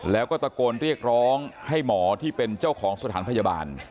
แล้วก็ตะโกนเรียกร้องให้หมอที่เป็นเจ้าของสถานพยาบาล